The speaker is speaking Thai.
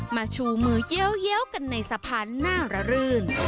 ชูมือเยี้ยวกันในสะพานหน้าระรื่น